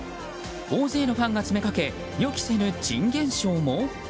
大勢のファンが詰めかけ予期せぬ珍現象も？